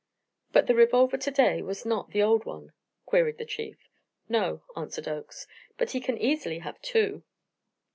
"But the revolver to day was not the old one?" queried the Chief. "No," answered Oakes; "but he can easily have two."